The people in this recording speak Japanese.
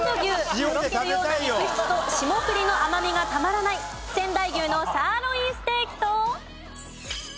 とろけるような肉質と霜降りの甘みがたまらない仙台牛のサーロインステーキと。